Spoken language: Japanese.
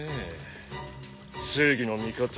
正義の味方。